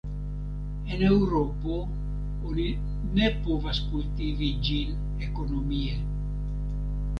En Eŭropo oni ne povas kultivi ĝin ekonomie.